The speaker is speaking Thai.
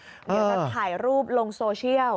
เดี๋ยวจะถ่ายรูปลงโซเชียล